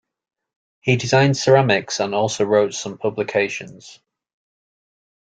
He designed ceramics and also wrote some publications.